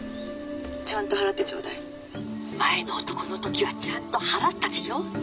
ちゃんと払ってちょうだい」「前の男の時はちゃんと払ったでしょ？」